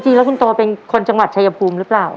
จริงแล้วคุณโตเป็นคนจังหวัดชายภูมิหรือเปล่า